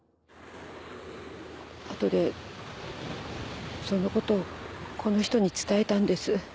あとでそのことをこの人に伝えたんです。